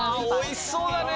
おいしそうだね。